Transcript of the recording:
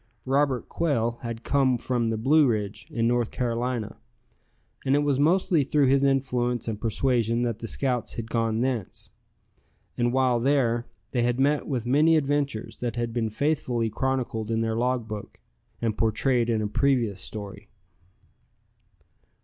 Robert Quail had come from the Blue Ridge, in North Carolina, and it was mostly through his influence and persuasion that the scouts had gone thence. And while there, they had met with many adventures that have been faithfully chronicled in their log book, and portrayed in a previous story.